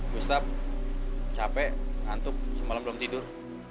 bustap capek ngantuk semalam belum tidur